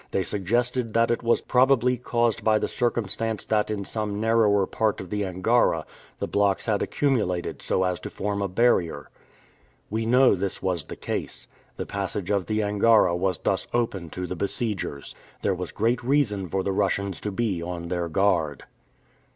They suggested that it was probably caused by the circumstance that in some narrower part of the Angara, the blocks had accumulated so as to form a barrier. We know this was the case. The passage of the Angara was thus open to the besiegers. There was great reason for the Russians to be on their guard.